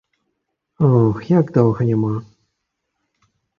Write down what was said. Ох, як доўга няма.